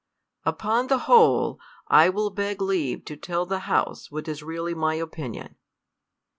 Upon the whole, I will beg leave to tell the House what is really my opinion.